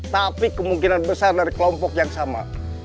tapi kemungkinan besar dari kelompok yang sama